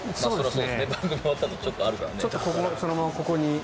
番組終わったあとちょっとあるからね。